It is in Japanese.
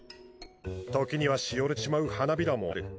時にはしおれてしまう花びらもある。